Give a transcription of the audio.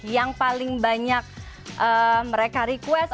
yang paling banyak mereka request